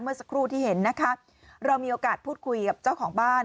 เมื่อสักครู่ที่เห็นนะคะเรามีโอกาสพูดคุยกับเจ้าของบ้าน